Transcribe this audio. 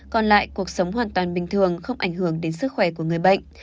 còn lại cuộc sống hoàn toàn bình thường không ảnh hưởng đến sức khỏe của người bệnh